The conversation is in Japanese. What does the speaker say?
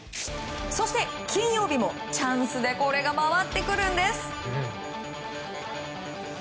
そして金曜日も、チャンスでこれが回ってくるんです。